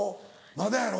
まだやろ？